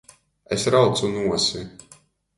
Es raucu nuosi.